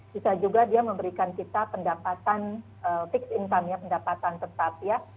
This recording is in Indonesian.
bisa juga dia memberikan kita pendapatan fixed income ya pendapatan tetap ya